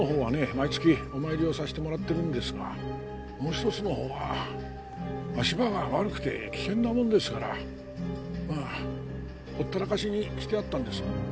毎月お参りをさせてもらってるんですがもう一つのほうは足場が悪くて危険なものですからまあほったらかしにしてあったんです。